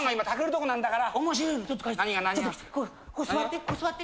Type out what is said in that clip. ここ座って。